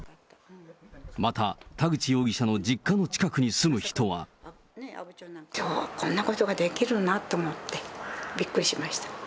また、田口容疑者の実家の近くに住む人は。こんなことができるなと思って、びっくりしました。